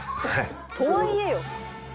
「とはいえよ」